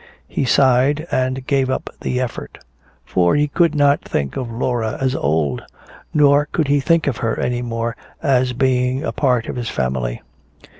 He sighed and gave up the effort. For he could not think of Laura as old, nor could he think of her any more as being a part of his family.